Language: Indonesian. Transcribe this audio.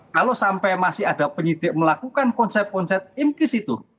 kalau sampai masih ada penyitik melakukan konsep konsep inquisitor